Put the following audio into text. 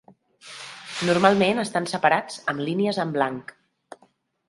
Normalment estan separats amb línies en blanc.